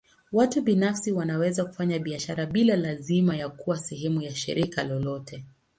Watu binafsi wanaweza kufanya biashara bila lazima ya kuwa sehemu ya shirika lolote.